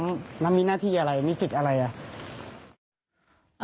น้ำมีหน้าที่อะไรมีสิทธิ์อะไรอ่ะ